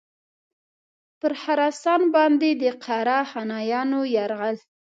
پر خراسان باندي د قره خانیانو یرغل.